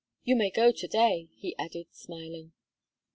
"You may go to day," he added, smiling.